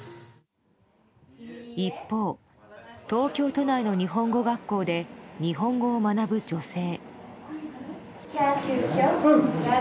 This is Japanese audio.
一方、東京都内の日本語学校で日本語を学ぶ女性。